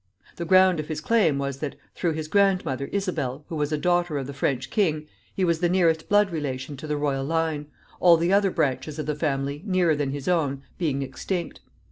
The ground of his claim was that, through his grandmother Isabel, who was a daughter of the French king, he was the nearest blood relation to the royal line, all the other branches of the family nearer than his own being extinct.